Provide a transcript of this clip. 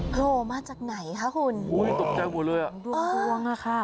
โปรมาจากไหนคะคุณโอ้ยตกใจกว่าเลยอะดวงอะค่ะ